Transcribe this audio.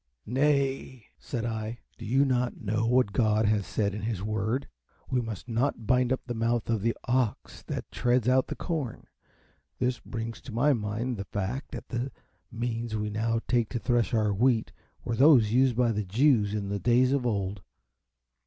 "Nay," said I, "do you not know what God has said in his Word? We must not bind up the mouth of the ox that treads out the corn. This brings to my mind the fact that the means we now take to thresh our wheat were those used by the Jews in the days of old."